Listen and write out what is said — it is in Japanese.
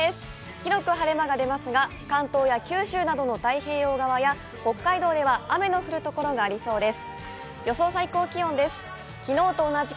広く晴れ間が出ますが、関東や九州などの太平洋側や北海道では雨の降るところがありそうです。